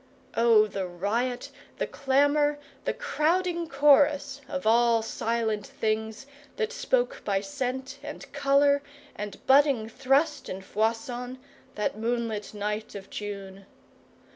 Oh, the riot, the clamour, the crowding chorus, of all silent things that spoke by scent and colour and budding thrust and foison, that moonlit night of June!